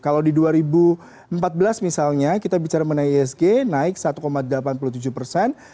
kalau di dua ribu empat belas misalnya kita bicara mengenai isg naik satu delapan puluh tujuh persen